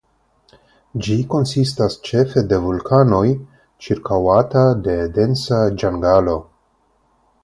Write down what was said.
Ĝi konsistas ĉefe de vulkanoj ĉirkaŭata de densa ĝangalo.